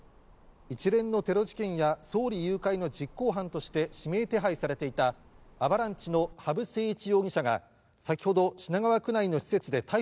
一連のテロ事件や総理誘拐の実行犯として指名手配されていたアバランチの羽生誠一容疑者が先ほど品川区内の施設で逮捕されました。